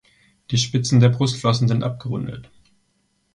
Die Spitzen der Brustflossen sind abgerundet.